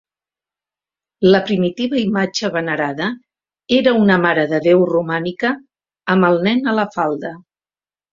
La primitiva imatge venerada era una marededéu romànica amb el Nen a la falda.